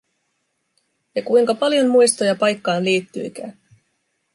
Kuinka paljon muistoja paikkaan liittyikään!